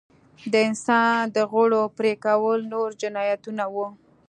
د انسان د غړو پرې کول نور جنایتونه وو.